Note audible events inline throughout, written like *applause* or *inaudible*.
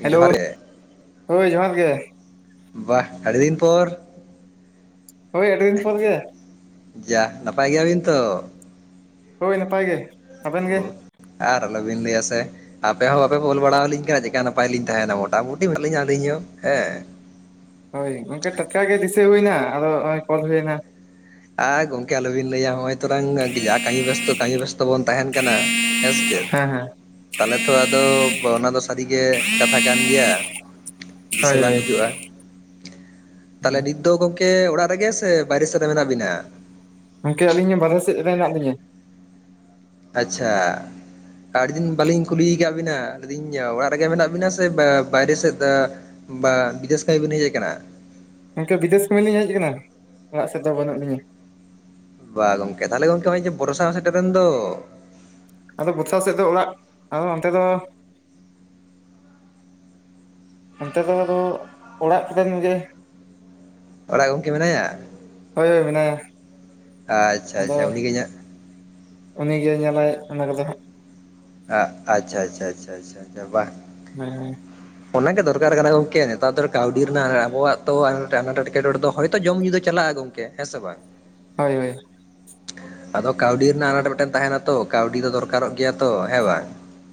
Hello ᱡᱚᱦᱟᱨ ᱜᱮ ᱦᱳᱭ ᱡᱚᱦᱟᱨ ᱜᱮ ᱵᱟᱦ ᱟᱹᱰᱤ ᱫᱤᱱ ᱯᱚᱨ ᱦᱚᱭ ᱟᱹᱰᱤ ᱫᱤᱱ ᱯᱚᱨ ᱜᱮ ᱡᱟᱦ ᱱᱟᱯᱟᱭ ᱜᱮᱭᱟ ᱵᱤᱱ ᱛᱚ ᱦᱚᱭ ᱱᱟᱯᱟᱭ ᱜᱮ ᱟᱵᱮᱱ ᱜᱮ ᱚᱦ ᱟᱨ ᱟᱞᱚᱵᱤᱱ ᱞᱟᱹᱭᱟ ᱥᱮ ᱟᱯᱮ ᱦᱚᱸ ᱵᱟᱯᱮ ᱯᱷᱚᱱ ᱵᱟᱲᱟ ᱟᱹᱞᱤᱧ ᱠᱟᱱᱟ ᱪᱮᱠᱟ ᱱᱟᱯᱟᱭ ᱞᱤᱧ ᱛᱟᱦᱮᱱᱟ ᱢᱚᱴᱟᱢᱩᱴᱤ ᱢᱮᱱᱟᱜ ᱞᱤᱧᱟ ᱟᱹᱞᱤᱧ ᱦᱚᱸ ᱦᱮᱸ ᱦᱚᱭ ᱜᱚᱝᱠᱮ ᱴᱟᱴᱠᱟ ᱜᱮ ᱫᱤᱥᱟᱹ ᱦᱩᱭᱮᱱᱟ ᱫᱚ ᱱᱚᱜ ᱚᱭ ᱠᱚᱞ ᱦᱩᱭᱮᱱᱟ ᱟᱦ ᱜᱚᱝᱠᱮ ᱟᱞᱚᱵᱤᱱ ᱞᱟᱹᱭᱟ ᱱᱚᱜᱼᱚᱭ ᱛᱚᱨᱟᱝ ᱡᱟ ᱠᱟᱹᱢᱤ ᱵᱮᱥᱛᱚ ᱠᱟᱹᱢᱤ ᱵᱮᱥᱛᱚ ᱛᱚ ᱵᱚᱱ ᱛᱟᱦᱮᱱ ᱠᱟᱱᱟ ᱦᱮᱥᱮ ᱪᱮᱫ ᱦᱮᱸ ᱦᱮᱸ ᱛᱟᱦᱚᱞᱮ ᱛᱷᱚ ᱟᱫᱚ ᱚᱱᱟ ᱫᱚ ᱥᱟᱹᱨᱤᱜᱮ ᱠᱟᱛᱷᱟ ᱠᱟᱱ ᱜᱮᱭᱟ ᱫᱤᱥᱟᱹ ᱦᱳᱭ ᱵᱟᱝ ᱦᱳᱭ ᱦᱤᱡᱩᱜᱼᱟ ᱛᱟᱦᱚᱞᱮ ᱱᱤᱛ ᱫᱚ ᱜᱚᱝᱠᱮ ᱚᱲᱟᱜ ᱨᱮᱜᱮ ᱥᱮ ᱵᱟᱦᱨᱮ ᱥᱮᱫ ᱨᱮ ᱢᱮᱱᱟᱜ ᱵᱤᱱᱟ ᱜᱚᱝᱠᱮ ᱟᱹᱞᱤᱧ ᱦᱚᱸ ᱵᱟᱦᱨᱮ ᱥᱮᱫ ᱨᱮ ᱢᱮᱱᱟᱜ ᱞᱤᱧᱟ ᱟᱪᱷᱟ ᱟᱰᱤ ᱫᱤᱱ ᱵᱟᱹᱞᱤᱧ ᱠᱩᱞᱤ ᱟᱠᱟᱫ ᱵᱤᱱᱟ ᱢᱮᱱ ᱤᱫᱟᱹᱧ ᱚᱲᱟᱜ ᱨᱮᱜᱮ ᱢᱮᱱᱟᱜ ᱵᱤᱱᱟ ᱥᱮ ᱵᱟᱦᱨᱮ ᱥᱮᱫ ᱵᱟ ᱵᱤᱫᱮᱥ ᱠᱟᱹᱢᱤ ᱵᱤᱱ ᱦᱮᱡ ᱟᱠᱟᱱᱟ ᱜᱚᱝᱠᱮ ᱵᱤᱫᱮᱥ ᱠᱟᱹᱢᱤ ᱞᱤᱧ ᱦᱮᱡ ᱟᱠᱟᱱᱟ ᱚᱲᱟᱜ ᱥᱮᱫ ᱨᱮᱫᱚ ᱵᱟᱹᱱᱩᱜ ᱞᱤᱧᱟᱹ ᱵᱟ ᱜᱚᱝᱠᱮ ᱛᱟᱦᱚᱞᱮ ᱜᱚᱢᱠᱮ ᱵᱚᱨᱥᱟ ᱦᱚᱸ ᱥᱮᱴᱮᱨᱮᱱ ᱫᱚ ᱟᱫᱚ ᱵᱚᱨᱥᱟ ᱥᱮᱫ ᱫᱚ ᱚᱲᱟᱜ ᱟᱫᱚ ᱚᱱᱛᱮ ᱫᱚ ᱚᱱᱛᱮ ᱫᱚ ᱟᱫᱚ ᱚᱲᱟᱜ ᱠᱷᱚᱡᱟᱝ ᱱᱤᱡᱮ ᱚᱲᱟᱜ ᱜᱚᱝᱠᱮ ᱢᱮᱱᱟᱭᱟ ᱦᱳᱭ ᱦᱳᱭ ᱢᱮᱱᱟᱭᱟ ᱟᱪᱷᱟ ᱟᱪᱷᱟ ᱩᱱᱤᱜᱮ ᱤᱧᱟᱹᱜ ᱩᱱᱤ ᱜᱮ ᱧᱮᱞᱟᱭ ᱚᱱᱟ ᱠᱚᱫᱚ ᱦᱟᱜ ᱟᱪᱷᱟ ᱟᱪᱷᱟ ᱟᱪᱷᱟ ᱵᱟᱦ ᱦᱮᱸ ᱚᱱᱟᱜ ᱜᱮ ᱫᱚᱨᱠᱟᱨ ᱠᱟᱱᱟ ᱜᱚᱝᱠᱮ ᱱᱮᱛᱟᱨ ᱫᱚ ᱠᱟᱹᱣᱰᱤ ᱨᱮᱱᱟᱜ ᱟᱵᱚᱣᱟᱜ ᱛᱚ ᱮᱴᱠᱮᱴᱚᱬᱮ ᱫᱚ ᱦᱚᱭᱛᱚ ᱡᱚᱢ ᱧᱩ ᱫᱚ ᱪᱟᱞᱟᱜᱼᱟ ᱜᱚᱝᱠᱮ ᱠᱮ ᱦᱮ ᱥᱮ ᱵᱟᱝ ᱦᱳᱭ ᱦᱳᱭ ᱟᱫᱚ ᱠᱟᱹᱣᱰᱤ ᱨᱮᱱᱟᱜ ᱟᱱᱟᱴ ᱢᱤᱫᱴᱮᱱ ᱛᱟᱦᱮᱱᱟ ᱛᱚ ᱠᱟᱹᱣᱰᱤ ᱫᱚ ᱫᱚᱨᱠᱟᱨᱚᱜ ᱜᱮᱭᱟ ᱛᱚ ᱦᱮᱸ ᱵᱟᱝ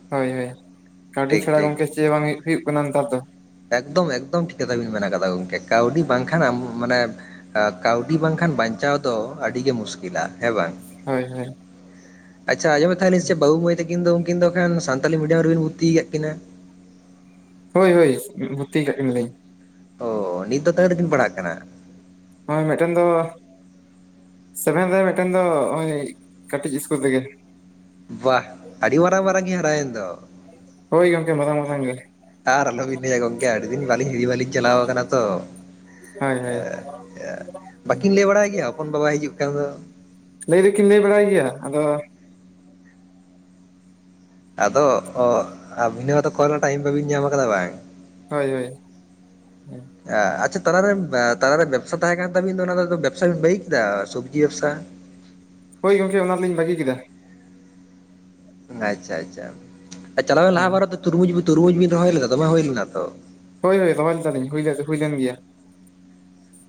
ᱦᱳᱭ ᱦᱳᱭ ᱠᱟᱹᱣᱰᱤ ᱴᱷᱤᱠ ᱪᱷᱟᱲᱟ ᱴᱷᱤᱠ ᱜᱚᱢᱠᱮ ᱴᱷᱤᱠ ᱪᱮᱫ ᱵᱟᱝ ᱦᱩᱭᱩᱜ ᱠᱟᱱᱟ ᱱᱮᱛᱟᱨ ᱫᱚ ᱮᱠᱫᱚᱢ ᱮᱠᱫᱚᱢ ᱴᱷᱤᱠ ᱠᱟᱛᱷᱟ ᱵᱤᱱ ᱢᱮᱱ ᱠᱟᱫᱟ ᱜᱚᱢᱠᱮ ᱠᱟᱹᱣᱰᱤ ᱵᱟᱝᱠᱷᱟᱱ ᱟᱢ ᱢᱟᱱᱮ ᱠᱟᱹᱣᱰᱤ ᱵᱟᱝᱠᱷᱟᱱ ᱵᱟᱧᱪᱟᱣ ᱫᱚ ᱟᱹᱰᱤᱜᱤ ᱢᱩᱥᱠᱤᱞᱟ ᱦᱮᱸ ᱵᱟᱝ ᱦᱳᱭ ᱦᱳᱭ ᱟᱪᱪᱷᱟ ᱟᱸᱡᱚᱢᱮᱫ ᱛᱟᱦᱮᱱᱟᱞᱤᱧ ᱥᱮᱪᱮᱫ ᱵᱟᱹᱵᱩ ᱢᱟᱹᱭ ᱛᱟᱹᱠᱤᱱ ᱫᱚ ᱩᱱᱠᱤᱱ ᱫᱚ ᱠᱷᱟᱱ ᱥᱟᱱᱛᱟᱲᱤ ᱢᱤᱰᱤᱭᱟᱢ ᱨᱮᱵᱤᱱ ᱵᱷᱩᱨᱛᱤᱭ ᱠᱟᱜ ᱠᱤᱱᱟᱹ ᱦᱳᱭ ᱦᱳᱭ ᱵᱷᱳᱨᱛᱤ ᱠᱟᱜ ᱠᱤᱱᱟᱹ ᱞᱤᱧ ᱚ ᱱᱤᱛ ᱫᱚ ᱛᱤᱱᱟᱹᱜ ᱨᱮᱠᱤᱱ ᱯᱟᱲᱦᱟᱜ ᱠᱟᱱᱟ ᱱᱚᱜ-ᱚᱭ ᱢᱤᱫᱴᱮᱱ ᱫᱚ ᱥᱮᱵᱷᱮᱱ ᱨᱮ ᱢᱤᱫᱴᱮᱱ ᱫᱚ ᱱᱚᱜᱼᱚᱭ ᱠᱟᱹᱴᱤᱡ ᱤᱥᱠᱩᱞ ᱨᱮᱜᱮ ᱵᱟᱦ ᱟᱹᱰᱤ ᱢᱟᱨᱟᱝ ᱢᱟᱨᱟᱝ ᱠᱤᱱ ᱦᱟᱨᱟᱭᱮᱱ ᱫᱚ ᱦᱳᱭ ᱜᱚᱢᱠᱮ ᱢᱟᱨᱟᱝ ᱢᱟᱨᱟᱝ ᱜᱮ ᱟᱨ ᱟᱞᱚ ᱵᱤᱱ ᱞᱟᱹᱭᱟ ᱜᱚᱢᱠᱮ ᱟᱹᱰᱤ ᱫᱤᱱ ᱵᱟᱹᱞᱤᱧ ᱦᱤᱨᱤ ᱵᱟᱞᱤᱧ ᱪᱟᱞᱟᱣ ᱟᱠᱟᱱᱟ ᱛᱚ ᱦᱳᱭ ᱦᱳᱭ ᱵᱟᱠᱤᱱ ᱞᱟᱹᱭ ᱵᱟᱲᱟᱭ ᱜᱮᱭᱟ ᱦᱚᱯᱚᱱ ᱵᱟ ᱵᱟᱭ ᱦᱤᱡᱩᱜ ᱠᱟᱱ ᱫᱚ ᱞᱟᱹᱭ ᱫᱚ ᱠᱤᱱ ᱞᱮ ᱵᱟᱲᱟᱭ ᱜᱮᱭᱟ ᱟᱫᱚ ᱟᱫᱚ ᱟᱹᱵᱤᱱ ᱦᱚᱭᱛᱚ ᱠᱚᱞ ᱨᱮᱱᱟᱜ ᱴᱟᱭᱤᱢ ᱵᱟᱵᱤᱱ ᱧᱟᱢ ᱠᱟᱫᱟ ᱵᱟᱝ ᱦᱳᱭ ᱦᱳᱭ ᱟᱪᱪᱷᱟ ᱛᱟᱞᱟᱨᱮ ᱛᱟᱨᱮ ᱵᱮᱵᱥᱟ ᱛᱟᱦᱮᱸ ᱠᱟᱱ ᱛᱟᱵᱤᱱ ᱫᱚ ᱚᱱᱟ ᱵᱮᱵᱥᱟ ᱵᱤᱱ ᱵᱟᱹᱜᱤ ᱠᱮᱫᱟ ᱥᱚᱵᱡᱤ ᱵᱮᱵᱥᱟ ᱦᱳᱭ ᱜᱚᱝᱠᱮ ᱚᱱᱟ ᱫᱚ ᱞᱤᱧ ᱵᱟᱹᱜᱤ ᱠᱮᱫᱟ ᱟᱪᱪᱷᱟ ᱟᱪᱪᱷᱟ ᱪᱟᱞᱟᱣᱮᱱ ᱞᱟᱦᱟ ᱦᱳᱭ ᱵᱟᱨ ᱨᱮ ᱛᱩᱨᱢᱩᱡᱽ ᱛᱩᱨᱢᱩᱡᱽ ᱵᱤᱱ ᱨᱚᱦᱚᱭ ᱞᱮᱫᱟ ᱫᱚᱢᱮ ᱦᱩᱭ ᱞᱮᱱᱟ ᱛᱚ ᱦᱳᱭ ᱦᱳᱭ ᱨᱚᱦᱚᱭ ᱞᱮᱫᱟᱞᱤᱧ ᱦᱩᱭ ᱞᱮᱱ ᱜᱮᱭᱟ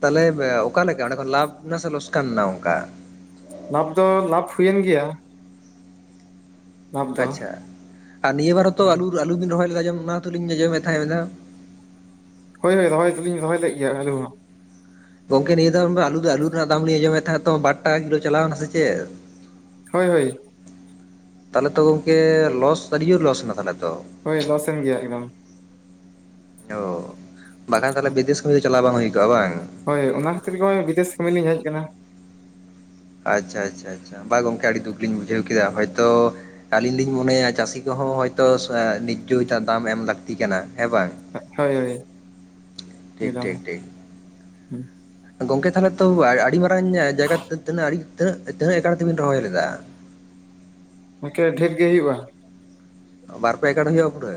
ᱛᱟᱦᱚᱞᱮ ᱚᱠᱟᱞᱮᱠᱟ ᱚᱸᱰᱮ ᱠᱷᱚᱱ ᱞᱟᱵᱷ ᱮᱱᱟ ᱥᱮ ᱞᱚᱥᱠᱟᱱ ᱮᱱᱟ ᱚᱱᱠᱟ ᱞᱟᱵᱷ ᱫᱚ ᱞᱟᱵᱷ ᱦᱩᱭᱮᱱ ᱜᱮᱭᱟ ᱞᱟᱵᱷ ᱫᱚ ᱟᱪᱪᱷᱟ ᱟᱨ ᱱᱤᱭᱟᱹ ᱵᱟᱨ ᱦᱚ ᱛᱚ ᱟᱞᱩ ᱟᱞᱩ ᱵᱤᱱ ᱨᱚᱦᱚᱭ ᱞᱮᱫᱟ ᱡᱮ ᱚᱱᱟ ᱛᱚᱞᱤᱧ ᱟᱸᱡᱚᱢᱮᱫ ᱛᱟᱦᱮᱸ ᱢᱤᱫ ᱫᱷᱟᱣ ᱦᱳᱭ ᱦᱳᱭ ᱨᱚᱦᱚᱭ ᱫᱚ ᱞᱤᱧ ᱨᱚᱦᱚᱭ ᱞᱮᱜ ᱜᱮᱭᱟ ᱟᱞᱩ ᱦᱚ ᱜᱚᱝᱠᱮ ᱱᱤᱭᱟᱹ ᱫᱷᱟᱣ ᱢᱟ ᱟᱞᱩ ᱫᱚ ᱟᱞᱩ ᱨᱮᱱᱟᱜ ᱫᱟᱢ ᱟᱸᱡᱚᱢᱮᱫ ᱛᱟᱦᱮᱸᱫ ᱛᱚ ᱵᱟᱨ ᱴᱟᱠᱟ ᱠᱤᱞᱳ ᱪᱟᱞᱟᱣ ᱮᱱᱟ ᱥᱮ ᱪᱮᱫ ᱦᱳᱭ ᱦᱳᱭ ᱛᱟᱦᱚᱞᱮ ᱛᱚ ᱜᱚᱝᱠᱮ ᱞᱚᱥ ᱟᱹᱰᱤ ᱡᱳᱨ ᱞᱚᱥ ᱮᱱᱟ ᱛᱟᱦᱚᱞᱮ ᱛᱚ ᱦᱳᱭ ᱞᱚᱥ ᱮᱱ ᱜᱮᱭᱟ ᱮᱠᱫᱚᱢ ᱚ ᱵᱟᱠᱷᱟᱱ ᱛᱟᱦᱚᱞᱮ ᱵᱤᱫᱮᱥ ᱠᱟᱹᱢᱤ ᱪᱟᱞᱟᱣ ᱵᱟᱝ ᱦᱩᱭ ᱠᱚᱜᱼᱟ ᱵᱟᱝ ᱦᱳᱭ ᱚᱱᱟ ᱠᱷᱟᱹᱛᱤᱨ ᱜᱮ ᱱᱚᱭ ᱵᱤᱫᱮᱥ ᱠᱟᱹᱢᱤ ᱞᱤᱧ ᱦᱮᱡ ᱟᱠᱟᱱᱟ ᱟᱪᱪᱷᱟ ᱟᱪᱪᱷᱟ ᱟᱪᱪᱷᱟ ᱵᱟ ᱜᱚᱝᱠᱮ ᱟᱹᱰᱤ ᱫᱩᱠ ᱞᱤᱧ ᱵᱩᱡᱷᱟᱹᱣ ᱠᱮᱫᱟ ᱦᱚᱭᱛᱚ ᱟᱞᱤᱧ ᱞᱤᱧ ᱢᱚᱱᱮᱭᱟ ᱪᱟᱹᱥᱤ ᱠᱚᱦᱚᱸ ᱦᱚᱭᱛᱚ ᱱᱤᱨᱡᱚᱭᱟᱜ ᱫᱟᱢ ᱮᱢ ᱞᱟᱹᱠᱛᱤ ᱠᱟᱱᱟ ᱦᱮᱸ ᱵᱟᱝ ᱦᱳᱭ ᱦᱳᱭ ᱴᱷᱤᱠ ᱮᱠᱫᱚᱢ ᱴᱷᱤᱠ ᱴᱷᱤᱠ ᱜᱚᱝᱠᱮ ᱛᱟᱦᱚᱞᱮ ᱛᱚ ᱟᱹᱰᱤ ᱢᱟᱨ ᱡᱟᱭᱜᱟ ᱛᱤᱱᱟᱹᱜᱤᱹᱜ ᱛᱤᱱᱟᱹᱜ ᱮᱠᱚᱨ ᱛᱮᱵᱤᱱ ᱨᱚᱦᱚᱭ ᱞᱮᱫᱟ ᱱᱤᱠᱟᱹ ᱰᱷᱮᱨ ᱜᱮ ᱦᱩᱭᱩᱜᱼᱟ ᱵᱟᱨ ᱯᱮ ᱮᱠᱚᱨ ᱦᱩᱭᱩᱜᱼᱟ ᱯᱩᱨᱟᱹ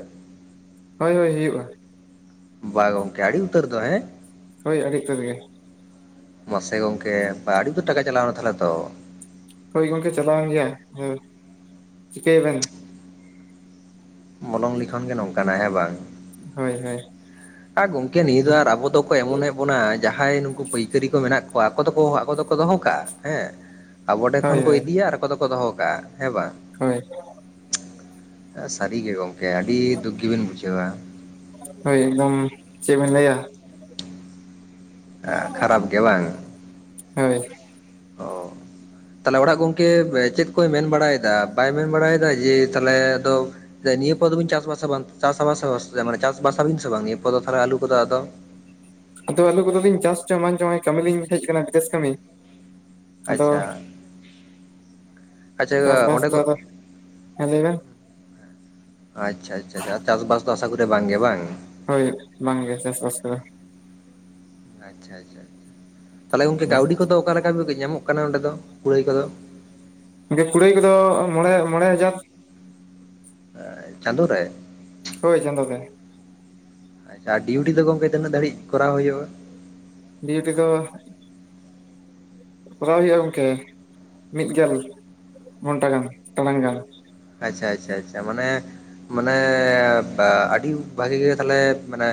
ᱦᱳᱭ ᱦᱳᱭ ᱦᱩᱭᱩᱜᱼᱟ ᱵᱟ ᱜᱚᱝᱠᱮ ᱟᱹᱰᱤ ᱩᱛᱟᱹᱨ ᱫᱚ ᱦᱮᱸ ᱦᱳᱭ ᱟᱹᱰᱤ ᱩᱛᱟᱹᱨ ᱜᱮ ᱢᱟᱥᱮ ᱜᱚᱝᱠᱮ ᱵᱟ ᱟᱹᱰᱤ ᱩᱛᱟᱹᱨ ᱴᱟᱠᱟ ᱪᱟᱞᱟᱣᱱᱟ ᱛᱟᱦᱚᱞᱮ ᱛᱚ ᱦᱩᱭ ᱜᱚᱢᱠᱮ ᱪᱟᱞᱟᱣᱮᱱ ᱜᱮᱭᱟ ᱦᱩᱸ ᱪᱤᱠᱟᱹᱭ ᱟᱵᱤᱱ ᱢᱚᱞᱚᱝ ᱞᱤᱠᱷᱚᱱ ᱜᱮ ᱱᱚᱝᱠᱟᱱᱟ ᱦᱮᱸ ᱵᱟᱝ ᱦᱳᱭ ᱦᱳᱭ ᱟᱨ ᱜᱚᱝᱠᱮ ᱱᱤᱭᱟᱹ ᱫᱚ ᱟᱨ ᱟᱵᱚ ᱫᱚᱠᱚ ᱮᱢᱚᱱᱮᱫ ᱵᱚᱱᱟ ᱡᱟᱦᱟᱸᱭ ᱱᱩᱠᱩ ᱯᱟᱹᱭᱠᱟᱹᱨᱤ ᱠᱚ ᱢᱮᱱᱟᱜ ᱠᱚᱣᱟ ᱟᱠᱚ ᱫᱚᱠᱚ ᱟᱠᱚ ᱫᱚᱠᱚ ᱫᱚᱦᱚ ᱠᱟᱜᱼᱟ ᱦᱮᱸ ᱟᱵᱚ ᱴᱷᱮᱮ ᱦᱳᱭ ᱠᱷᱚᱱ ᱠᱚ ᱦᱳᱭ ᱤᱫᱤᱭᱟ ᱟᱠᱚ ᱫᱚᱠᱚ ᱫᱚᱦᱚ ᱠᱟᱜᱼᱟ ᱦᱮᱸ ᱵᱟᱝ ᱦᱳᱭ ᱥᱟᱹᱨᱤᱜᱮ ᱜᱚᱢᱠᱮ ᱟᱹᱰᱤ ᱫᱩᱠ ᱜᱮᱵᱤᱱ ᱵᱩᱡᱷᱟᱹᱣᱟ ᱦᱳᱭ ᱮᱠᱫᱚᱢ ᱪᱮᱫ ᱵᱮᱱ ᱞᱟᱹᱭᱟ ᱠᱷᱟᱨᱟᱯ ᱜᱮ ᱵᱟᱝ ᱦᱳᱭ ᱚ ᱛᱟᱦᱞᱮ ᱚᱲᱟᱜ ᱜᱚᱝᱠᱮ ᱪᱮᱫ ᱠᱚᱭ ᱢᱮᱱ ᱵᱟᱲᱟᱭᱮᱫᱟ ᱵᱟᱭ ᱢᱮᱱ ᱵᱟᱲᱟᱭᱮᱫᱟ ᱡᱮ ᱛᱟᱦᱚᱞᱮ ᱟᱫᱚ ᱱᱤᱭᱟᱹ ᱯᱚᱨ ᱫᱚᱵᱤᱱ ᱪᱟᱥᱵᱟᱥᱟ ᱵᱟᱝ? ᱪᱟᱥ ᱵᱟᱥ ᱟᱥᱮ ᱵᱟᱝ ᱢᱟᱱᱮ ᱱᱤᱭᱟᱹ ᱯᱚᱨᱮ ᱟᱞᱩ ᱠᱚᱫᱚ, ᱪᱟᱥ ᱟᱥᱮ ᱵᱟᱝ? ᱟᱫᱚ ᱟᱞᱩ ᱠᱚᱫᱚᱞᱤᱧ ᱪᱟᱥ ᱪᱚ ᱵᱟᱝ ᱪᱚ, ᱠᱟᱹᱢᱤ ᱞᱤᱧ ᱦᱮᱡ ᱠᱟᱱᱟ ᱵᱤᱫᱮᱥ ᱠᱟᱹᱢᱤ᱾ ᱟᱫᱚ ᱟᱪᱪᱷᱟ᱾ ᱟᱪᱪᱷᱟ ᱪᱟᱥᱵᱟᱥ ᱚᱸᱰᱮ ᱫᱚ ᱟᱫᱚ ᱦᱮᱸ ᱞᱟᱹᱭ ᱵᱮᱱ ᱟᱪᱪᱷᱟᱻ ᱟᱪᱪᱷᱟᱻ, ᱟᱨ ᱪᱟᱥᱵᱟᱥ ᱫᱚ ᱟᱥᱟ ᱠᱚᱨᱤ ᱵᱟᱝ ᱜᱮ ᱵᱟᱝ? ᱦᱳᱭ ᱵᱟᱝ ᱜᱮ ᱪᱟᱥ ᱵᱟᱥ ᱠᱚᱫᱚ ᱾ ᱟᱪᱪᱷᱟᱻ ᱟᱪᱪᱷᱟᱻ, ᱛᱟᱦᱚᱞᱮ ᱜᱚᱝᱠᱮ ᱦᱳᱭ ᱠᱟᱹᱣᱰᱤ ᱠᱚᱫᱚ ᱚᱠᱟᱞᱮᱠᱟ ᱧᱟᱢᱚᱜ ᱠᱟᱱᱟ, ᱚᱸᱰᱮ ᱫᱚ ᱠᱩᱲᱟᱹᱭ ᱠᱚᱫᱚ? ᱮ ᱠᱩᱲᱟᱹᱭ ᱠᱚᱫᱚ ᱢᱚᱬᱮ, ᱢᱚᱬᱮ ᱦᱟᱡᱟᱨ᱾ ᱟᱸᱻᱪᱟᱸᱫᱳ ᱨᱮ? ᱦᱳᱭ ᱪᱟᱸᱫᱳ ᱜᱮ᱾ ᱟᱪᱪᱷᱟ ᱟᱨ ᱰᱤᱭᱩᱴᱤ ᱫᱚ ᱜᱚᱝᱠᱮ ᱛᱤᱱᱟᱹᱜ ᱫᱷᱟᱹᱨᱤᱡ ᱠᱚᱨᱟᱣ ᱦᱳᱭᱳᱜᱼᱟ? ᱰᱤᱭᱩᱴᱤ ᱫᱚ ᱠᱚᱨᱟᱣ ᱦᱳᱭᱳᱜᱼᱟ ᱜᱚᱝᱠᱮ ᱢᱤᱫᱜᱮᱞ᱾ ᱜᱷᱚᱴᱟ ᱜᱟᱱ ᱴᱟᱲᱟᱝ ᱜᱟᱱ᱾ ᱟᱪᱪᱷᱟᱻ ᱟᱪᱪᱷᱟᱻ ᱟᱪᱪᱷᱟᱻ ᱢᱟᱱᱮ ᱢᱟᱱᱮᱻ ᱟᱹᱰᱤ ᱵᱷᱟᱜᱮ ᱜᱮ ᱛᱟᱦᱟᱞᱮ ᱢᱟᱱᱮ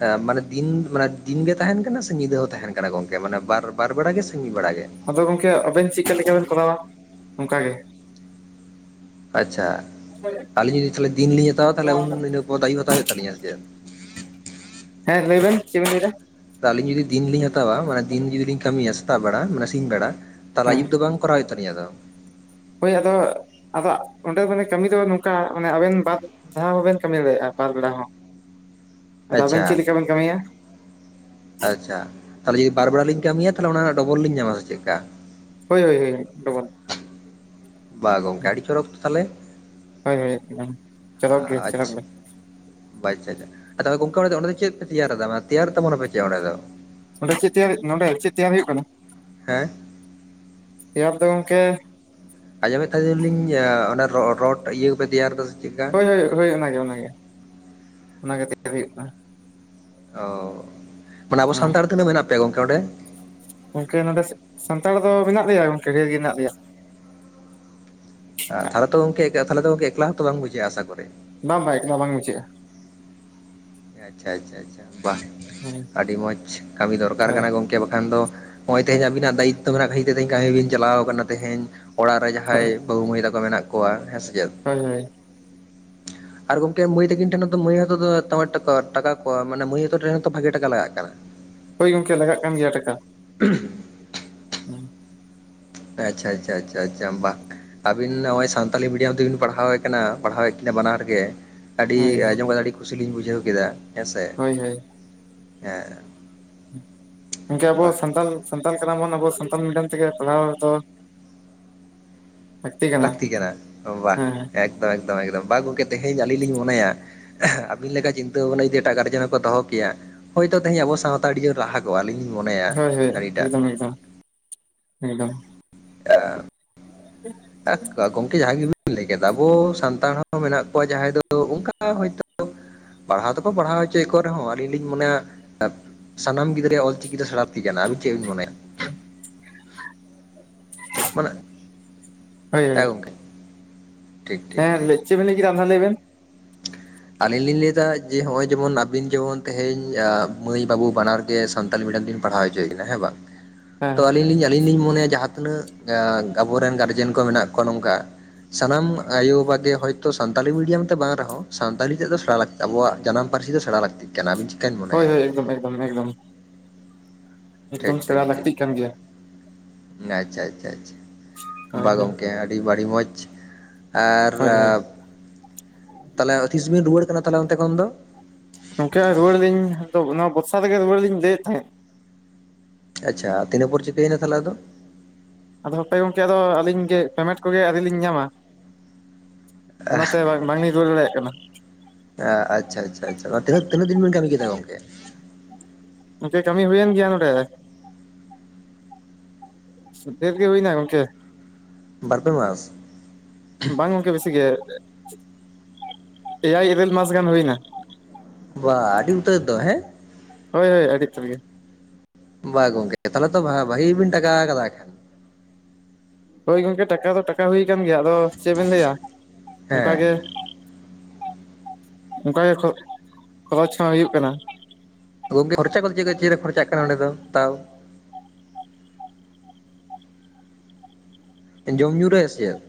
ᱦᱸ ᱢᱟᱱᱮ ᱫᱤᱱ ᱢᱟᱱᱮ ᱫᱤᱱ ᱜᱮ ᱛᱟᱦᱮᱸᱱ ᱠᱟᱱᱟ ᱥᱮ, ᱧᱤᱫᱟᱹ ᱦᱚᱸ ᱛᱟᱦᱮᱸᱱ ᱠᱟᱱᱟ ᱜᱚᱝᱠᱮ ᱢᱟᱱᱮ ᱵᱟᱨ-ᱵᱟᱨ ᱵᱮᱲᱟ ᱜᱮ ᱥᱮ ᱢᱤᱫ ᱵᱮᱲᱟ ᱜᱮ? ᱟᱫᱚ ᱜᱚᱝᱠᱮ ᱟᱵᱮᱱ ᱪᱮᱫᱠᱟ ᱞᱮᱠᱟᱵᱮᱱ ᱠᱚᱨᱟᱣᱟ ᱚᱱᱠᱟ ᱜᱮ᱾ ᱟᱪᱷᱟ ᱟᱞᱤᱧ ᱡᱩᱫᱤ ᱫᱤᱱ ᱞᱤᱧ ᱦᱟᱛᱟᱣᱼᱟ, ᱛᱟᱦᱚᱞᱮ ᱤᱱᱟ ᱯᱚᱨ ᱫᱚ ᱟᱹᱭᱩᱵ ᱦᱟᱨᱟᱣ ᱦᱳᱭᱳᱜᱼᱟ ᱥᱮ ᱪᱮᱫ? ᱦᱮᱸ ᱞᱟᱹᱭ ᱵᱮᱱ ᱪᱮᱫ ᱵᱮᱱ ᱞᱟᱹᱭ ᱫᱟ᱾ ᱟᱹᱞᱤᱧ ᱡᱩᱫᱤ ᱫᱤᱱ ᱞᱤᱧ ᱦᱟᱛᱟᱣᱟ, ᱢᱟᱱᱮ ᱫᱤᱱ ᱡᱚᱫᱤᱧ ᱠᱟᱹᱢᱤᱭᱟ ᱥᱮᱛᱟᱜ ᱵᱮᱲᱟ ᱢᱟᱱᱮ ᱥᱤᱧ ᱵᱮᱲᱟ ᱛᱟᱞᱦᱮ ᱦᱮᱸ ᱟᱭᱩᱵ ᱫᱚ ᱵᱟᱝ ᱠᱚᱨᱟᱣ ᱦᱳᱭᱳᱜ ᱛᱟᱞᱤᱧᱟ ᱛᱚ? ᱦᱳᱭ ᱟᱫᱚ ᱟᱫᱚ ᱚᱸᱰᱮ ᱢᱟᱱᱮ ᱠᱟᱹᱢᱤ ᱫᱚ ᱱᱚᱝᱠᱟ, ᱢᱟᱱᱮ ᱟᱵᱮᱱ ᱵᱟᱨ ᱫᱷᱟᱣ ᱦᱚᱸᱵᱮᱱ ᱠᱟᱹᱢᱤ ᱫᱟᱲᱮᱭᱟᱜᱼᱟ᱾ ᱵᱟᱨ ᱵᱮᱲᱟ ᱦᱚᱸ᱾ *inaudible* ᱟᱵᱮᱱ ᱟᱪᱪᱷᱟᱻ᱾ ᱪᱮᱫ ᱞᱮᱠᱟ ᱵᱮᱱ ᱠᱟᱹᱢᱤᱭᱟ ᱟᱪᱪᱷᱟ ᱛᱟᱦᱚᱞᱮ ᱡᱩᱫᱤ ᱵᱟᱨ ᱵᱮᱲᱟ ᱞᱤᱧ ᱠᱟᱹᱢᱤᱭᱟ, ᱛᱟᱦᱚᱞᱮ ᱚᱱᱟ ᱨᱮᱱᱟᱜ ᱰᱚᱵᱚᱞ ᱞᱤᱧ ᱧᱟᱢᱟ, ᱥᱮ ᱪᱮᱫᱠᱟ? ᱦᱳᱭᱻ ᱦᱳᱭᱻ ᱦᱳᱭᱻ, ᱰᱚᱵᱚᱞ᱾ ᱵᱟ ᱜᱚᱝᱠᱮ ᱟᱹᱰᱤ ᱪᱚᱨᱚᱠ ᱛᱚ ᱛᱟᱦᱚᱞᱮ, ᱦᱳᱭ ᱦᱳᱭ ᱮᱠᱫᱚᱢ ᱪᱚᱨᱚᱠ ᱜᱮ ᱪᱚᱨᱚᱠ ᱟᱪᱪᱷᱟ᱾ ᱜᱮ ᱟᱪᱪᱷᱟᱻ ᱟᱪᱪᱷᱟᱻ ᱛᱟᱦᱚᱞᱮ ᱜᱚᱢᱠᱮ ᱚᱱᱰᱮ ᱫᱚ ᱪᱮᱫ ᱯᱮ ᱛᱮᱭᱟᱨᱫᱟ ᱛᱮᱭᱟᱨ ᱛᱟᱵᱚᱱᱟ ᱯᱮ ᱪᱮᱫ ᱚᱸᱰᱮ ᱫᱚ? ᱱᱚᱰᱮ ᱪᱮᱫ ᱛᱮᱭᱟᱨ ᱦᱳᱭᱳᱜ ᱠᱟᱱᱟ-ᱱᱚᱰᱮ ᱪᱮᱫ ᱛᱮᱭᱟᱨ ᱦᱳᱭᱳᱜ ᱠᱟᱱᱟ, ᱦᱮᱸ ᱛᱮᱭᱟᱨ ᱫᱚ ᱜᱚᱝᱠᱮ ᱟᱸᱡᱚᱢᱮᱫ ᱛᱟᱦᱮᱸ ᱱᱟᱞᱤᱧ ᱨᱚᱰ ᱤᱭᱟᱹ ᱠᱚᱯᱮ ᱛᱮᱭᱟᱨ ᱮᱫᱟ? ᱪᱮᱫᱠᱟ? ᱦᱳᱭᱻ ᱦᱳᱭᱻ ᱦᱳᱭᱻ ᱚᱱᱟ ᱜᱮ ᱚᱱᱟ ᱜᱮ- ᱚᱱᱟ ᱜᱮ, ᱛᱮᱭᱟᱨ ᱦᱳᱭᱳᱜ ᱠᱟᱱᱟ᱾ ᱚ ᱢᱟᱱᱮ ᱟᱵᱚ ᱥᱟᱱᱛᱟᱲ ᱛᱤᱱᱟᱹᱜ ᱢᱮᱱᱟᱜ ᱯᱮᱭᱟ ᱜᱚᱢᱠᱮ ᱚᱸᱰᱮ? ᱜᱚᱢᱠᱮ ᱱᱚᱰᱮ ᱥᱟᱱᱛᱟᱲ ᱫᱚ ᱢᱮᱱᱟᱜ ᱞᱮᱭᱟ ᱜᱚᱢᱠᱮ ᱰᱷᱮᱨ ᱜᱮ ᱢᱮᱱᱟᱜ ᱞᱮᱭᱟ᱾ ᱛᱟᱦᱚᱞᱮ ᱛᱚ ᱜᱚᱢᱠᱮ, ᱛᱟᱦᱚᱞᱮ ᱛᱚ, ᱮᱠᱞᱟ ᱦᱚᱸᱛᱚ ᱵᱟᱝ ᱵᱩᱡᱟᱹᱜᱼᱟ ᱟᱥᱟ ᱠᱚᱨᱤ? ᱵᱟᱝ ᱵᱟᱝ ᱮᱠᱞᱟ ᱵᱟᱝ ᱵᱩᱡᱷᱟᱹᱜᱼᱟ᱾ ᱟᱪᱪᱷᱟᱻ ᱟᱪᱪᱷᱟᱻ ᱟᱪᱪᱷᱟᱻ, ᱵᱟ ᱦᱮᱸ ᱟᱹᱰᱤ ᱢᱚᱸᱡᱽ ᱠᱟᱹᱢᱤ ᱫᱚᱨᱠᱟᱨ ᱦᱳᱭ ᱠᱟᱱᱟ, ᱜᱚᱢᱠᱮ ᱵᱟᱠᱷᱟᱱ ᱫᱚ ᱱᱚᱜ ᱚᱭ ᱛᱮᱦᱮᱧ ᱟᱵᱤᱱᱟᱜ ᱫᱟᱭᱤᱛᱚ ᱢᱮᱱᱟᱜ ᱠᱷᱟᱹᱛᱤᱨ ᱛᱮ, ᱛᱮᱦᱮᱧ ᱠᱟᱹᱢᱤ ᱵᱤᱱ ᱪᱟᱞᱟᱣ ᱠᱟᱱᱟ ᱛᱮᱦᱮᱧ ᱚᱲᱟᱜ ᱨᱮ ᱡᱟᱦᱟᱸᱭ ᱦᱳᱭ ᱵᱟᱵᱩ ᱢᱟᱹᱭ ᱛᱟᱠᱚ ᱢᱮᱱᱟᱜ ᱠᱚᱣᱟ ᱦᱮᱸ ᱥᱮ ᱪᱮᱫ? ᱦᱳᱭᱻ ᱦᱳᱭᱻ᱾ ᱟᱫᱚ ᱜᱚᱝᱠᱮ ᱢᱟᱹᱭ ᱛᱟᱠᱤᱱ ᱴᱷᱮᱱ ᱦᱚᱛᱚ ᱫᱚᱢᱮ ᱴᱟᱠᱟ ᱞᱟᱜᱟᱜ ᱠᱟᱱᱟ᱾ᱫᱚᱢᱮ ᱴᱟᱠᱟ ᱞᱟᱜᱟᱜ ᱠᱟᱱᱟ᱾ ᱦᱳᱭ ᱜᱚᱝᱠᱮ ᱞᱟᱜᱟᱜ ᱠᱟᱱ ᱜᱮᱭᱟ ᱴᱟᱠᱟ᱾ ᱩᱸ *unintelligible* ᱟᱪᱪᱷᱟᱻ ᱟᱪᱪᱷᱟᱻ ᱟᱪᱪᱷᱟᱻ ᱟᱪᱪᱷᱟᱻ ᱵᱟᱠ᱾ ᱟᱹᱵᱤᱱ ᱱᱚᱜᱼᱚᱭ ᱥᱟᱱᱛᱟᱞᱤ ᱢᱤᱰᱤᱭᱟᱢ ᱛᱮᱵᱤᱱ ᱯᱟᱲᱦᱟᱣᱮ ᱠᱟᱱᱟ, ᱯᱟᱲᱦᱟᱣᱮᱫ ᱠᱤᱱᱟ ᱵᱟᱱᱟᱨ ᱜᱮ ᱟᱹᱰᱤ ᱦᱳᱭ ᱦᱳᱭ ᱟᱸᱡᱚᱢ ᱠᱟᱛᱮ ᱟᱹᱰᱤ ᱠᱩᱥᱤᱞᱤᱧ ᱵᱩᱡᱷᱟᱹᱣ ᱠᱮᱫᱟ ᱦᱮᱸ ᱥᱮ᱾ ᱦᱳᱭᱻ ᱦᱳᱭᱻ, ᱾ ᱮᱸᱻ᱾ ᱩᱸ ᱜᱝᱠᱮ ᱟᱵᱚ ᱥᱟᱱᱛᱟᱞ ᱥᱟᱱᱛᱟᱞ ᱠᱟᱱᱟ ᱵᱚᱱ ᱟᱵᱚ ᱥᱟᱱᱛᱟᱞ ᱢᱤᱰᱤᱭᱟᱢ ᱛᱮᱜᱮ ᱯᱟᱲᱦᱟᱣ ᱫᱚ᱾ *inaudible* ᱞᱟᱹᱠᱛᱤ ᱠᱟᱱᱟ ᱵᱟ ᱦᱮᱸ ᱦᱮᱸ ᱮᱠᱫᱚᱢ ᱮᱠᱫᱚᱢ ᱮᱠᱫᱚᱢ ᱵᱟ ᱜᱚᱢᱠᱮ ᱛᱮᱦᱮᱧ ᱟᱹᱞᱤᱧ ᱞᱤᱧ ᱢᱚᱱᱮᱭᱟ᱾ ᱮᱸᱦᱮᱸ ᱟᱹᱵᱤᱱ ᱞᱮᱠᱟ ᱪᱤᱱᱛᱟᱹ ᱵᱷᱟᱱᱟ ᱡᱫᱤ ᱮᱴᱟᱜ ᱜᱟᱨᱡᱮᱱ ᱦᱚᱸᱠᱚ ᱫᱚᱦᱚ ᱠᱮᱭᱟ ᱦᱚᱭᱛᱳ ᱛᱮᱦᱮᱧ ᱟᱵᱚ ᱥᱟᱶᱛᱟᱲᱤᱭᱟ. ᱨᱟᱦᱟ᱾ ᱠᱚ ᱟᱹᱞᱤᱧ ᱞᱤᱧ ᱢᱚᱱᱮᱭᱟ ᱦᱳᱭ ᱟᱲᱤᱴᱟᱜ᱾ ᱢᱤᱫ ᱫᱚ᱾ ᱟᱣ ᱜᱚᱝᱠᱮ ᱡᱟᱦᱟᱸ ᱜᱮᱵᱤᱱ ᱾ ᱞᱮᱭ ᱠᱮᱫ ᱟᱵᱚ ᱥᱟᱱᱛᱟᱲ ᱦᱚᱸ ᱢᱮᱱᱟᱜ ᱠᱚᱣᱟ ᱡᱟᱦᱟᱸᱭ ᱫᱚ ᱚᱱᱠᱟ ᱦᱚᱭᱛᱳ᱾ ᱯᱟᱲᱦᱟᱣ ᱫᱚᱠᱚ ᱯᱟᱲᱦᱟᱣ ᱦᱚᱪᱚᱭᱮᱫ ᱠᱚ ᱨᱮᱦᱚᱸ ᱟᱞᱤᱧ ᱞᱤᱧ ᱢᱚᱱᱮᱭᱟ ᱥᱟᱱᱟᱢ ᱜᱤᱫᱽᱨᱟᱹ᱾ ᱜᱮᱸ ᱚᱞ ᱪᱤᱠᱤ ᱫᱚ ᱥᱮᱸᱲᱟ ᱞᱟ. ᱠᱛᱤ ᱠᱟᱱᱟ ᱟᱵᱤᱱ ᱪᱮᱫᱵᱤᱱ ᱢᱮᱭᱟ? ᱦᱮᱸ ᱢᱟᱱᱮ ᱮ ᱜᱚᱝᱠ᱾ ᱦᱮᱸᱟᱹᱭ ᱪᱮᱫ ᱵᱮᱱᱤ ᱞᱟᱹᱭ ᱠᱮᱫᱟ ᱟᱨ ᱢᱤᱫ ᱫᱷᱟᱣ ᱞᱟ. ᱭ ᱵᱮᱱ? ᱟᱞᱤᱧ ᱞᱤᱧ ᱞᱟᱹᱭᱮᱫᱟ ᱡᱮ ᱦᱚᱸᱜ ᱚᱭ ᱡᱮᱢᱚᱱ ᱟᱵᱤᱱ ᱡᱮᱢᱚᱱ ᱛᱮᱦᱮᱧ ᱢᱟᱹᱭ ᱵᱟᱹᱵᱩ ᱵᱟᱱᱟᱨ ᱜᱮᱸ ᱥᱟᱱᱛᱤ ᱢᱤᱰᱤᱭᱟᱢ ᱛᱮᱵᱤᱱ ᱯᱟᱲᱦᱟᱣ ᱦᱚᱪᱚᱭᱮᱱᱟ ᱦᱮᱸ ᱵᱟᱝ *inaudible* ᱛᱚ ᱟᱞᱤᱧ ᱞᱤᱧ ᱟᱞᱤᱧ ᱞᱤᱧ ᱢᱚᱱᱮᱭᱟ ᱡᱟᱦᱟᱸ ᱛᱤᱱᱟᱹᱜ ᱟᱵᱚᱨᱮᱱ ᱜᱟᱨᱡᱮᱱ ᱠᱚ ᱢᱮᱱᱟᱜ ᱠᱚᱣᱟ ᱱᱚᱝᱠᱟ‍᱾ ᱥᱟᱱᱟᱢ ᱟᱭᱳ ᱵᱟᱵᱟᱜ ᱜᱮᱸ ᱦᱚᱭᱛᱚ ᱥᱟᱱᱛᱟᱞᱤ ᱢᱤᱰᱤᱭᱟᱢ ᱛᱮ ᱵᱟᱝ ᱨᱮᱦᱚᱸ ᱥᱟᱱᱛᱟᱞᱤ ᱛᱮᱫ ᱫᱚ ᱥᱮᱸᱬᱟ ᱞᱟᱹᱠᱛᱤ ᱟᱵᱚᱣᱟᱜ ᱡᱟᱱᱟᱢ ᱯᱟᱹᱨᱥᱤ ᱫᱚ ᱥᱮᱸᱬᱲ ᱞᱟᱹᱠᱛᱤᱜ ᱠᱟᱱᱟ ᱟᱵᱤᱱ ᱪᱮ? ᱦᱳᱭ ᱦᱳᱭ ᱮᱠᱫᱚᱢ ᱮᱠᱫᱚᱢ ᱮᱠᱫᱚᱢ ᱴᱷᱤᱠ ᱮᱠᱫᱚᱢ ᱴᱷᱤᱠ ᱥᱮᱬᱟ ᱴᱷᱤᱠ ᱞᱟᱹᱠᱛᱤᱜ ᱠᱟᱱ ᱜᱮᱭᱟ ᱟᱪᱪᱷᱟ ᱟᱪᱪᱷᱟ ᱟᱪᱪᱷ᱾ ᱦᱳᱭ ᱵᱟᱝ ᱦᱳᱭ ᱜᱚᱝᱠᱮ ᱟᱹᱰᱤ ᱵᱟᱹᱰᱤ ᱢᱚᱸᱡᱽ ᱟᱨ ᱦᱳᱭ ᱦᱳᱭ ᱛᱟᱦᱚᱞᱮ ᱛᱤᱥ ᱵᱮᱱ ᱨᱩᱣᱟᱹᱲ ᱠᱟᱱᱟ ᱛᱟᱦᱞᱮ ᱚᱱᱛᱮ ᱠᱷᱚᱱ ᱫᱚ? ᱱᱚᱝᱠᱮ ᱨᱩᱣᱟᱹᱲ ᱞᱤᱧ ᱱᱚᱣᱟ ᱵᱚᱨᱥᱟ ᱨᱮᱜᱮ ᱨᱩᱣᱟᱹᱲ ᱞᱤᱧ ᱞᱟᱹᱭᱮᱫ ᱛᱟᱦᱮᱸᱫ᱾ ᱟᱪᱪᱷᱟ ᱛᱤᱱᱟᱹ ᱯᱚᱨ ᱪᱮᱭᱮᱱᱟ ᱛᱟᱦᱚᱞᱮ ᱟᱫᱚ? ᱟᱫᱚ ᱦᱟᱯᱮ ᱜᱚᱝᱠᱮ ᱟᱫᱚ ᱟᱹᱞᱤᱧ ᱜᱮ ᱯᱮᱢᱮᱱᱴ ᱠᱚᱜᱮ ᱟᱹᱨᱤᱞᱤᱧ ᱧᱟᱢᱟ ᱚᱱᱟᱛᱮ ᱵᱟᱝ ᱵᱟᱝ ᱧᱤᱧ ᱨᱩᱭᱟᱟᱹᱲ ᱫᱟᱲᱮᱭᱟᱜ ᱠᱟᱱᱟ᱾ ᱮᱸ ᱟᱪᱪᱷᱟ ᱟᱪᱪᱷᱟ ᱴᱟ. ᱱᱟᱜ ᱛᱤᱱᱟᱹᱜ ᱫᱤᱱ ᱵᱤᱱ ᱠᱟᱹᱢᱤ ᱠᱮᱫᱟ ᱜᱚᱝᱠᱮ? ᱜᱚᱝᱠᱮ ᱠᱟᱹᱢᱤ ᱦᱩᱭᱮᱱ ᱜᱮᱭᱟ ᱱᱚᱰᱮ ᱴᱮᱨ ᱜᱮᱸ ᱦᱩᱭᱱᱟ ᱜᱚᱝᱠᱮ ᱵᱟᱨ ᱯᱮ ᱢᱟᱥ? ᱵᱟᱝ ᱜᱚᱝᱠᱮ ᱵᱮᱥᱤ ᱜᱮ᱾ ᱮᱭᱟᱭ ᱤᱨᱟᱹᱞ ᱢᱟᱥ ᱜᱟᱱ ᱦᱩᱭᱱᱟ‍᱾ ᱵᱟ ᱟᱹᱰᱤ ᱩᱛᱟᱹᱨ ᱫᱚ ᱦᱮᱸ? ᱦᱳᱭ ᱦᱳᱭ ᱟᱹᱰᱤ ᱩᱛᱟᱹᱨ ᱜᱮ᱾ ᱵᱟ ᱜᱚᱝᱠᱮ ᱛᱟᱦᱮ ᱛᱚ ᱵᱷᱟ ᱵᱷᱟᱜᱮᱵᱤᱱ ᱴᱟᱠᱟ ᱠᱟᱫᱟ ᱟᱠᱷᱟᱱ? ᱦᱳᱭ ᱜᱚᱝᱠᱮ ᱴᱟᱠᱟ ᱫᱚ ᱴᱟᱠᱟ ᱦᱩᱭ ᱟᱠᱟᱱ ᱜᱮᱭᱟ ᱟᱫᱚ ᱪᱮᱫ ᱵᱮᱤᱱ ᱞᱟᱹᱭᱟ ᱚᱱᱠ ᱜᱮᱸ ᱦᱮᱸ ᱚᱱᱠᱟ ᱜᱮ ᱠᱷᱚ ᱠᱷᱚᱨᱚᱪ ᱦᱚᱸ ᱦᱩᱭᱩᱜ ᱠᱟᱱᱟ ᱜᱚᱝᱠᱮ ᱠᱷᱚᱨᱪᱟ ᱠᱚᱫᱚ ᱪᱮ ᱠᱷᱚᱨᱪᱟ ᱱᱚᱰᱮ ᱫᱚ ᱛᱟᱶ? ᱡᱚᱢ ᱧᱩᱩ ᱨᱮ ᱥᱮ ᱪᱮᱫ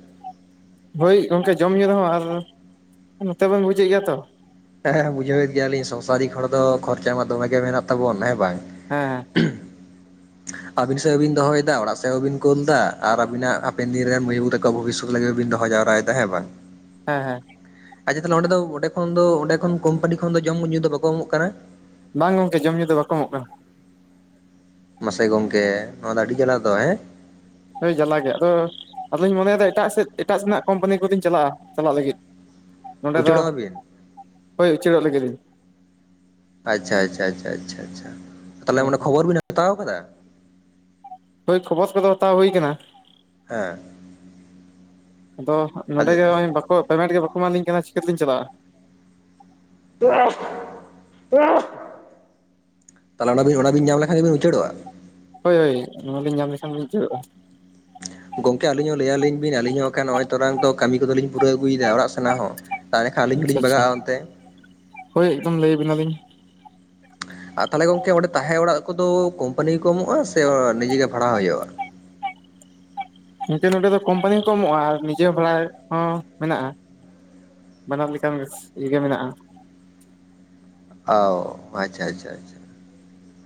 ᱦᱳᱭ ᱜᱚᱝᱠᱮ ᱡᱚᱢ ᱧᱩᱩ ᱨᱮᱦᱚᱸ ᱟᱨ ᱱᱚᱛᱮ ᱵᱮᱱ ᱵᱩᱡᱮᱫ ᱜᱮᱭᱟ ᱛᱚ᱾ ᱦᱮᱸ ᱦᱮᱸ ᱵᱩᱡᱷᱟᱶᱮᱫ ᱜᱮᱭᱟᱞᱤᱧ ᱥᱚᱝᱥᱟᱨᱤᱠ ᱦᱚᱲ ᱫᱚ ᱠᱷᱚᱨᱪᱟ ᱢᱟ ᱫᱚᱢᱮ ᱜᱮ ᱢᱮᱱᱟᱜ ᱛᱟᱵᱚᱱ ᱦᱮᱸ ᱵᱟᱝ? ᱦᱮᱸ ᱦᱮᱸ ᱟᱹᱵᱤᱱ ᱥᱮᱫ ᱦᱚᱸ ᱵᱤᱱ ᱫᱚᱦᱚᱭᱮᱫᱟ ᱚᱲᱟᱜ ᱥᱮᱫ ᱦᱚᱸᱵᱤᱱ ᱠᱳᱞ ᱮᱫᱟ ᱟᱨ ᱟᱵᱤᱱᱟᱜ ᱦᱟᱯᱮᱱ ᱫᱤᱱ ᱨᱮᱱ ᱢᱟᱹᱭ ᱵᱟᱵᱩ ᱛᱟᱠᱚ ᱚᱱᱠᱳ ᱵᱷᱚᱵᱤᱥᱚᱛ ᱞᱟᱹᱜᱤᱫ ᱜᱮᱵᱤᱱ ᱫᱚᱦᱚ ᱡᱟᱣᱨᱟᱭᱮᱫᱟ ᱦᱮᱸ ᱵᱟᱝ? ᱦᱮᱸ ᱦᱮᱸ᱾ ᱟᱪᱪᱷᱟ ᱛᱟᱦᱚᱞᱮ ᱚᱸᱰᱮ ᱫᱚ ᱚᱸᱰᱮ ᱠᱷᱚᱱ ᱫᱚ ᱚᱸᱰᱮ ᱠᱷᱚᱱ ᱠᱳᱢᱯᱟᱱᱤ ᱠᱷᱚᱱ ᱫᱚ ᱡᱚᱢ ᱧᱩ ᱫᱚ ᱵᱟᱠᱚ ᱮᱢᱚᱜ ᱠᱟᱱᱟ᱾ ᱵᱟᱝ ᱜᱚᱝᱠᱮ ᱡᱚᱢ ᱧᱩ ᱫᱚ ᱵᱟᱠᱚ ᱮᱢᱚᱜ ᱠᱟᱱᱟ᱾ ᱢᱟᱥᱮ ᱜᱚᱝᱠᱮ ᱱᱚᱣᱟ ᱫᱚ ᱟᱹᱰᱤ ᱡᱟᱞᱟ ᱫᱚ ᱦᱮᱸ ᱦᱳᱭ ᱡᱟᱞᱟ ᱜᱮ ᱟᱫᱚ ᱟᱫᱚᱧ ᱢᱚᱱᱮᱭᱮᱫᱟ ᱮᱴᱟᱜ ᱥᱮᱫ ᱮᱴᱟᱜ ᱥᱮᱱᱟᱜ ᱠᱳᱢᱯᱟᱱᱤ ᱠᱚᱫᱚᱧ ᱪᱟᱞᱟᱜᱼᱟ ᱪᱟᱞᱟᱜ ᱞᱟᱹᱜᱤᱫ᱾ ᱱᱚᱸᱰᱮ ᱫᱚ ᱩᱪᱟᱹᱲᱚᱜ ᱟᱹᱵᱤᱱ ᱦᱩᱭ ᱩᱪᱟᱹᱲᱚᱜ ᱞᱟᱹᱜᱤᱫ ᱤᱧ ᱟᱪᱪᱷᱟ ᱟᱪᱪᱷᱟ ᱟᱪᱷᱟ ᱟᱪᱷᱟ ᱟᱪᱷᱟ ᱛᱟᱦᱚᱞᱮ ᱚᱸᱰᱮ ᱠᱷᱚᱵᱚᱨ ᱵᱤᱱ ᱦᱟᱛᱟᱣ ᱟᱠᱟᱫᱟ ᱦᱳᱭ ᱠᱷᱚᱵᱚᱨ ᱠᱚᱫᱚ ᱦᱟᱛᱟᱣ ᱦᱩᱭ ᱟᱠᱟᱱᱟ ᱦᱮᱸ ᱟᱫᱚ ᱱᱚᱸᱰᱮ ᱜᱮ *unintelligible* ᱯᱮᱢᱮᱱᱴ ᱜᱮ ᱵᱟᱠᱚ ᱮᱢᱟᱞᱤᱧ ᱠᱟᱱᱟ ᱪᱤᱠᱟᱹ ᱛᱮᱞᱤᱧ ᱪᱟᱞᱟᱜᱼᱟ ᱛᱟᱦᱚᱞᱮ ᱚᱱᱟ *unintelligible* ᱚᱱᱟ ᱵᱤᱱ ᱧᱟᱢ ᱞᱮᱠᱷᱟᱱ ᱜᱮᱵᱤᱱ ᱩᱪᱟᱹᱲᱚᱜᱼᱟ ᱦᱳᱭ ᱦᱳᱭ ᱱᱚᱣᱟᱞᱤᱧ ᱧᱟᱢ ᱞᱮᱠᱷᱟᱱ ᱜᱮᱞᱤᱧ ᱩᱪᱟᱹᱲᱚᱜᱼᱟ *inaudible* ᱜᱚᱝᱠᱮ ᱟᱹᱞᱤᱧ ᱦᱚᱸ ᱞᱟᱹᱭᱟᱞᱤᱧ ᱵᱤᱱ ᱟᱞᱤᱧ ᱦᱚᱸ ᱠᱷᱟᱱ ᱱᱚᱜᱼᱚᱭ ᱛᱚᱨᱟᱝ ᱫᱚ ᱠᱟᱹᱢᱤ ᱠᱚᱫᱚᱞᱤᱧ ᱯᱩᱨᱟᱹᱣ ᱟᱹᱜᱩᱭᱮᱫᱟ ᱚᱲᱟᱜ ᱥᱮᱱᱟᱜ ᱦᱚᱸ ᱛᱟᱦᱚᱞᱮ ᱠᱷᱟᱱ ᱟᱞᱤᱧ ᱟᱪᱪᱷᱟ ᱦᱚᱸᱞᱤᱧ ᱟᱪᱪᱷᱟ ᱵᱟᱜᱟᱜᱼᱟ ᱚᱱᱛᱮ ᱦᱳᱭ ᱮᱠᱫᱚᱢ ᱞᱟᱹᱭᱟ ᱵᱤᱱᱟ ᱞᱤᱧ ᱟᱨ ᱛᱟᱦᱞᱮ ᱜᱚᱝᱠᱮ ᱚᱸᱰᱮ ᱛᱟᱦᱮᱸ ᱚᱲᱟᱜ ᱠᱚᱫᱚ ᱠᱳᱢᱯᱟᱱᱤ ᱜᱮᱠᱚ ᱮᱢᱚᱜᱼᱟ ᱥᱮ ᱱᱤᱡᱮᱜ ᱜᱮ ᱵᱷᱟᱲᱟ ᱦᱩᱭᱩᱜᱼᱟ *unintelligible* ᱱᱚᱰᱮ ᱫᱚ ᱠᱚᱢᱯᱟᱱᱤ ᱦᱚᱸ ᱠᱚ ᱮᱢᱚᱜᱼᱟ ᱟᱨ ᱱᱤᱡᱮ ᱵᱷᱟᱲᱟ ᱦᱚᱸ ᱢᱮᱱᱟᱜᱼᱟ ᱵᱟᱱᱟᱨ ᱞᱮᱠᱟᱱ *unintelligible* ᱜᱮ ᱢᱮᱱᱟᱜᱼᱟ ᱟᱣ ᱟᱪᱪᱷᱟ ᱟᱪᱪᱷᱟ ᱟᱪᱪᱷᱟ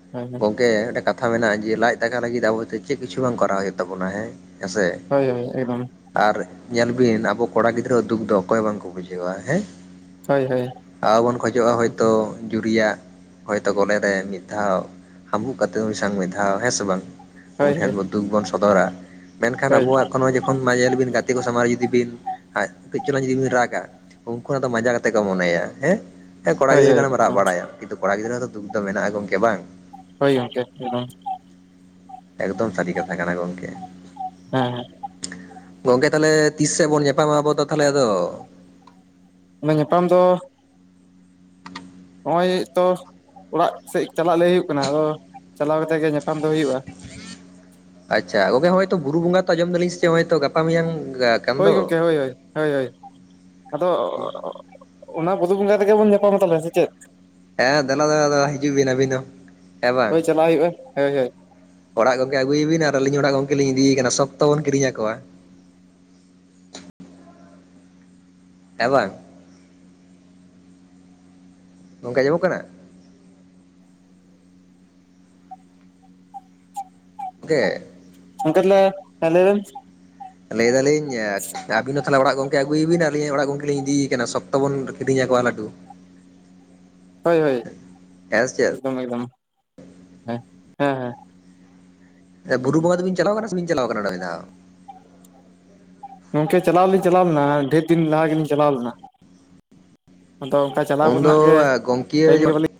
*unintelligible* ᱦᱮᱸ ᱢᱤᱫ ᱠᱟᱛᱷᱟ ᱢᱮᱱᱟᱜᱼᱟ ᱡᱮ ᱞᱟᱻᱡ ᱫᱟᱠᱟ ᱞᱟᱹᱜᱤᱫ ᱟᱵᱚ ᱫᱚ ᱪᱮᱫ ᱠᱤᱪᱩ ᱵᱟᱝ ᱠᱚᱨᱟᱣ ᱦᱩᱭᱩᱜ ᱛᱟᱵᱚᱱᱟ ᱦᱮᱸ ᱦᱮᱸᱥᱮ *unintelligible* ᱮᱠᱫᱚᱢ ᱟᱨ ᱧᱮᱞ ᱵᱤᱱ ᱟᱵᱚ ᱠᱚᱲᱟ ᱜᱤᱫᱽᱨᱟᱹ ᱫᱩᱠ ᱫᱚ ᱚᱠᱚᱭ ᱦᱚᱸ ᱵᱟᱝᱠᱚ ᱵᱩᱡᱷᱟᱹᱣᱟ ᱦᱮᱸ ᱦᱳᱭ ᱦᱳᱭ ᱟᱨ ᱵᱚᱱ ᱠᱷᱚᱡᱚᱜᱼᱟ ᱦᱳᱭᱛᱳ ᱡᱩᱨᱤᱭᱟᱜ ᱦᱚᱳᱭᱛᱳ *unintelligible* ᱨᱮ ᱢᱤᱫ ᱫᱷᱟᱣ ᱦᱟᱢᱵᱩᱜ ᱠᱟᱛᱮ ᱩᱱᱤ ᱥᱟᱶ ᱢᱤᱫ ᱫᱷᱟᱣ ᱦᱮᱸ ᱥᱮ ᱵᱟᱝ ᱦᱳᱭ ᱩᱱᱤ ᱴᱷᱮᱱ ᱦᱳᱭ ᱵᱚᱱ ᱫᱩᱠ ᱵᱚᱱ ᱥᱚᱫᱚᱨᱟ ᱢᱮᱱᱠᱷᱟᱱ ᱦᱳᱭ ᱟᱵᱚᱣᱟᱜ *unintelligible* *unintelligible* ᱡᱚᱠᱷᱚᱱ ᱢᱟᱧᱮᱞ ᱵᱤᱱ ᱜᱟᱛᱮ ᱠᱚ ᱥᱟᱢᱟᱝ ᱨᱮ ᱡᱩᱫᱤ ᱵᱤᱱ ᱠᱟᱹᱡᱽ ᱪᱚᱝᱞᱟᱝ ᱡᱩᱫᱤ ᱵᱤᱱ ᱨᱟᱜᱟ ᱩᱱ *unintelligible* ᱫᱚ ᱢᱟᱡᱟ ᱠᱟᱛᱮ ᱠᱚ ᱢᱚᱱᱮᱭᱟ ᱦᱮᱸ ᱦᱮᱸ ᱠᱚᱲᱟ ᱦᱳᱭ ᱜᱤᱫᱽᱨᱟᱹ ᱦᱳᱭ ᱠᱟᱱᱟᱢ ᱨᱟᱜ ᱮᱠᱫᱚᱢ ᱵᱟᱲᱟᱭᱟᱢ ᱠᱤᱱᱛᱩ ᱠᱚᱲᱟ ᱜᱤᱫᱽᱨᱟᱹ *unintelligible* ᱫᱩᱠ ᱫᱚ ᱢᱮᱱᱟᱜᱼᱟ ᱜᱚᱝᱠᱮ ᱦᱮᱸ ᱵᱟᱝ ᱦᱳᱭ ᱜᱚᱝᱠᱮ *unintelligible* ᱮᱠᱫᱚᱢ ᱥᱟᱹᱨᱤ ᱠᱟᱛᱷᱟ ᱠᱟᱱᱟ ᱜᱚᱝᱠᱮ ᱦᱮᱸ ᱦᱮᱸ *unintelligible* ᱜᱚᱢᱠᱮ ᱛᱟᱦᱚᱞᱮ ᱛᱤᱥ ᱥᱮᱜ ᱵᱚᱱ ᱧᱟᱯᱟᱢᱟ ᱟᱵᱚ ᱫᱚ ᱛᱟᱦᱚᱞᱮ ᱟᱫᱚ? ᱧᱟᱯᱟᱢ ᱫᱚ ᱱᱚᱜᱼᱚᱭ ᱛᱚ ᱚᱲᱟᱜ ᱥᱮᱜ ᱪᱟᱞᱟᱜ ᱞᱟᱹᱭ ᱦᱩᱭᱩᱜ ᱠᱟᱱᱟ ᱟᱫᱚ ᱪᱟᱞᱟᱣ ᱠᱟᱛᱮ ᱜᱮ ᱧᱟᱯᱟᱢ ᱫᱚ ᱦᱩᱭᱩᱜᱼᱟ ᱟᱪᱪᱷᱟ ᱜᱚᱢᱠᱮ ᱦᱚᱸᱜᱼᱚᱭ ᱛᱚ ᱵᱩᱨᱩ ᱵᱚᱸᱜᱟ ᱛᱚ ᱟᱸᱡᱚᱢ ᱮᱫᱟᱞᱤᱧ ᱪᱮᱜ ᱜᱟᱯᱟ ᱢᱮᱸᱭᱟᱝ ᱦᱳᱭ ᱜᱚᱢᱠᱮ ᱦᱳᱭ ᱦᱳᱭ ᱦᱳᱭ ᱦᱳᱭ ᱟᱫᱚ *unintelligible* ᱚᱱᱟ ᱵᱩᱨᱩ ᱵᱚᱸᱜᱟ ᱨᱮᱜᱮ ᱵᱚᱱ ᱧᱟᱯᱟᱢᱟ ᱛᱟᱦᱞᱮ ᱥᱮ ᱪᱮᱫ? ᱦᱮᱸ ᱫᱮᱞᱟ ᱫᱮᱞᱟ ᱦᱤᱡᱩᱜ ᱵᱤᱱ ᱟᱹᱵᱤᱱ ᱦᱚᱸ ᱦᱮᱸ ᱵᱟᱝ ᱪᱟᱞᱟᱣ ᱦᱩᱭᱩᱜᱼᱟ ᱦᱳᱭ ᱦᱳᱭ ᱚᱲᱟᱜ ᱜᱚᱝᱠᱮ ᱟᱜᱩᱭᱮᱵᱤᱱ ᱟᱨ ᱟᱹᱞᱤᱧ ᱚᱲᱟᱜ ᱜᱚᱝᱠᱮᱞᱤᱧ ᱤᱫᱤᱭᱮᱠᱟᱱᱟ ᱥᱚᱠᱛᱚ ᱵᱚᱱ ᱠᱤᱨᱤᱧ ᱟᱠᱚᱣᱟ ᱦᱮᱸ ᱵᱟᱝ ᱜᱚᱢᱠᱮ ᱟᱸᱡᱚᱢᱚᱜ ᱠᱟᱱᱟ? ᱜᱚᱢᱠᱮ ᱜᱚᱢᱠᱮ ᱛᱟᱦᱚᱞᱮ ᱞᱟᱹᱭ ᱵᱮᱱ ᱞᱟᱹᱭᱫᱟᱞᱤᱧ ᱟᱹᱵᱤᱱ ᱦᱚᱸ *unintelligible* ᱚᱲᱟᱜ ᱜᱚᱢᱠᱮ ᱟᱹᱜᱩᱭᱮᱵᱤᱱ ᱟᱹᱞᱤᱧ ᱦᱚᱸ ᱚᱲᱟᱜ ᱜᱚᱢᱠᱮᱞᱤᱧ ᱤᱫᱤᱭᱮ ᱠᱟᱱᱟ ᱥᱚᱠᱛᱚ ᱵᱚᱱ ᱠᱤᱨᱤᱧ ᱟᱠᱚᱣᱟ ᱞᱟᱹᱰᱩ ᱦᱳᱭ ᱦᱳᱭ ᱦᱮᱸ ᱥᱮ ᱪᱮᱫ ᱮᱠᱫᱚᱢ ᱮᱠᱫᱚᱢ ᱦᱮᱸᱻᱜ ᱦᱮᱸ ᱦᱮᱸ *unintelligible* ᱵᱩᱨᱩ ᱮᱠᱫᱚᱢ ᱵᱚᱸᱜᱟ ᱫᱚᱵᱤᱱ ᱪᱟᱞᱟᱣᱟᱠᱟᱱᱟ ᱥᱮᱵᱤᱱ ᱪᱟᱞᱟᱣ ᱠᱟᱱᱟ ᱢᱤᱫ ᱫᱷᱟᱣ ᱜᱚᱢᱠᱮ ᱪᱟᱞᱟᱣ ᱫᱩᱞᱤᱧ ᱪᱟᱞᱟᱣ ᱞᱮᱱᱟ ᱰᱷᱮᱨ ᱫᱤᱱ ᱞᱟᱦᱟ ᱜᱮᱞᱤᱧ ᱪᱟᱞᱟᱣ ᱞᱮᱱᱟ ᱟᱫᱚ ᱪᱟᱞᱟᱣ ᱩᱱᱫᱚ ᱠᱚᱨᱮᱱᱟᱜ ᱜᱮ ᱜᱚᱝᱠᱮ ᱴᱟᱭᱤᱢ ᱜᱮ ᱡᱚᱱ ᱵᱟᱹᱞᱤᱧ